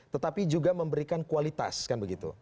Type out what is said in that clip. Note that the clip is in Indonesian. tetapi juga memberikan kualitas kan begitu